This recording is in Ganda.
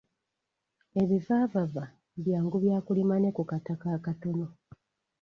Ebivaavava byangu byakulima ne ku kataka akatono.